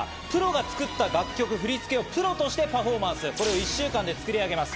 プロが作った楽曲、振り付けをプロとしてパフォーマンス、これを１週間で作り上げます。